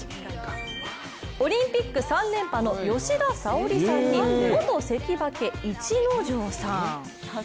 オリンピック３連覇の吉田沙保里さんに元関脇・逸ノ城さん。